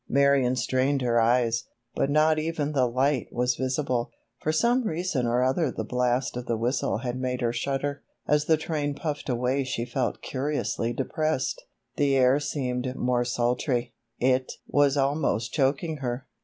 Marion strained her eyes, but not even the light was visible. For some reason or other the blast of the whistle had made her shudder. As the train puffed away she felt curiously depressed. The air seemed more sultry; it was almost choking her.